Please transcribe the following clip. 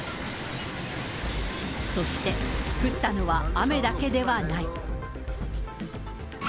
そして、降ったのは雨だけではない。